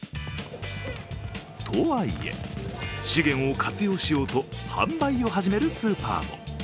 とはいえ、資源を活用しようと販売を始めるスーパーも。